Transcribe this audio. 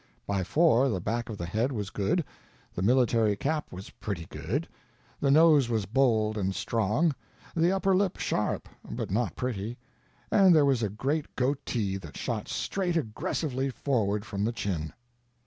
By four the back of the head was good, the military cap was pretty good, the nose was bold and strong, the upper lip sharp, but not pretty, and there was a great goatee that shot straight aggressively forward from the chin.